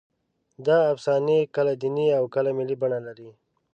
دا افسانې کله دیني او کله ملي بڼه لري.